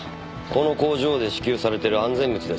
この工場で支給されてる安全靴です。